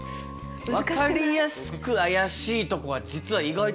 分かりやすく怪しいとこは実は意外とあんまり。